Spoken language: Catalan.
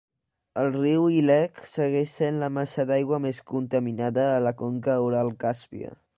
El riu Ilek segueix sent la massa d'aigua més contaminada a la conca Ural-Càspia.